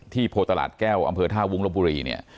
โพตลาดแก้วอำเภอท่าวุ้งลบบุรีเนี่ย